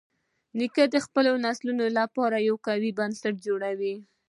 نیکه د خپلو نسلونو لپاره یو قوي بنسټ جوړوي.